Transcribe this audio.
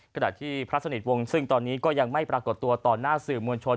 ขณะที่พระสนิทวงศ์ซึ่งตอนนี้ก็ยังไม่ปรากฏตัวต่อหน้าสื่อมวลชน